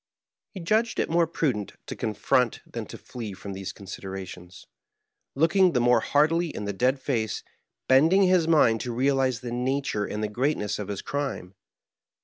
He judged it more prudent to confront than to flee from these considerations ; looking the more hardily in the dead face, bending his mind to realize the nature and greatness of his crime.